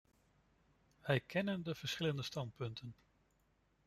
Wij kennen de verschillende standpunten.